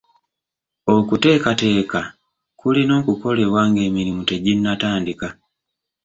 Okuteekateeka kulina okukolebwa ng'emirimu teginnatandika.